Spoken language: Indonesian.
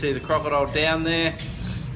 kami melihat krokodil di bawah